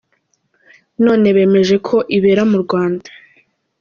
None bemeje ko ibera mu Rwanda!